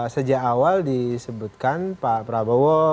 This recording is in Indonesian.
sejak awal disebutkan pak prabowo